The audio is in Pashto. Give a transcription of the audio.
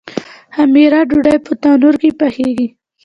خمیره ډوډۍ په تندور کې پخیږي.